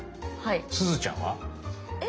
すずちゃんは？え？